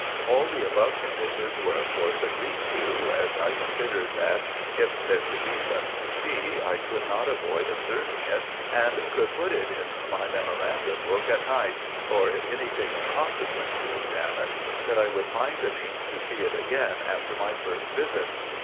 All the above conditions were of course agreed to, as I considered, that, if there should be much to see, I could not avoid observing it, and could put it in my memorandum book at night ; or, if any thing of consequence to examine, that I would find the means to see it again after my first visit.